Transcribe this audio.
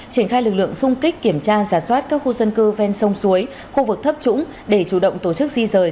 triển khai lực lượng xung kích kiểm tra giả soát các khu dân cư ven sông suối khu vực thấp trũng để chủ động tổ chức di rời